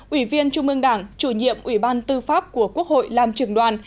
ủy viên trung ương đảng chủ nhiệm ủy ban tư pháp của quốc hội làm trường đoàn